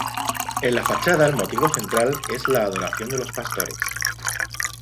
En la fachada el motivo central es la Adoración de los Pastores.